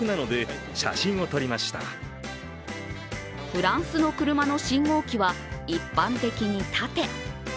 フランスの車の信号機は一般的に縦。